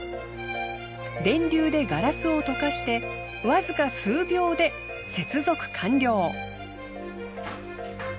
電流でガラスを溶かしてわずか数秒で接続完了。